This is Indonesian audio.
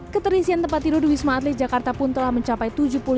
keterisian tempat tidur di wisma atlet jakarta pun telah mencapai tujuh puluh lima